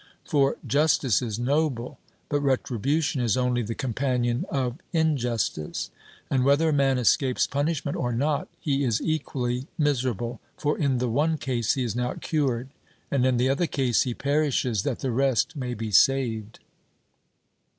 For justice is noble, but retribution is only the companion of injustice. And whether a man escapes punishment or not, he is equally miserable; for in the one case he is not cured, and in the other case he perishes that the rest may be saved.